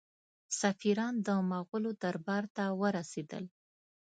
سفیران د مغولو دربار ته ورسېدل.